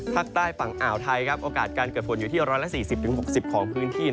ภาคใต้ฝั่งอ่าวไทยโอกาสการเกิดฝนอยู่ที่๑๔๐๖๐ของพื้นที่